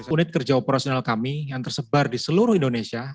unit kerja operasional kami yang tersebar di seluruh indonesia